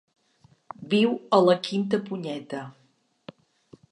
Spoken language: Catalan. Viu a la quinta punyeta.